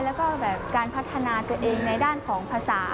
แล้วก็แบบการพัฒนาตัวเองในด้านของภาษา